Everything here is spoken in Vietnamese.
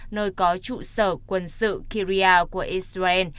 nơi có trụ sở quân sự kiryat của israel